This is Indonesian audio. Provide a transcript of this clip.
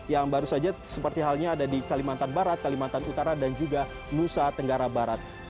yang baru saja seperti halnya ada di kalimantan barat kalimantan utara dan juga nusa tenggara barat